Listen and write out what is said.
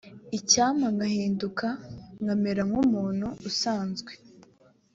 icyampa nkahinduka nkamera nk’umuntu usanzwe